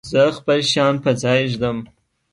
زه خپل شیان په ځای ږدم.